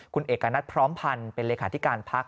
คุณเอกณัฐพร้อมพันธ์เป็นเลขาธิการพัก